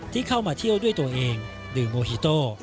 ที่เข้ามาเที่ยวด้วยตัวเองดื่มโมฮิโต้